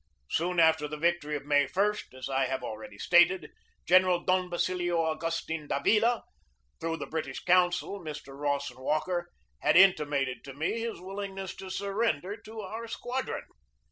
Soon after the victory of May i, as I have already stated, General Don Basilio Augustin Davila, through the British consul, Mr. Rawson Walker, had intimated to me his willingness to surrender to our squadron.